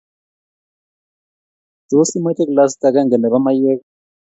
Tos, imache galsit age nebo maywek?